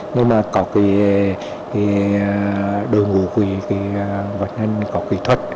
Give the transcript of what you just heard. nên mà có cái đồ ngủ của cái vật nhân có cái thuật